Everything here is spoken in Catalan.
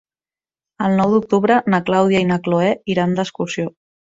El nou d'octubre na Clàudia i na Cloè iran d'excursió.